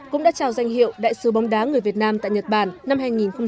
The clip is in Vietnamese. cũng đã trao danh hiệu đại sứ bóng đá người việt nam tại nhật bản năm hai nghìn một mươi tám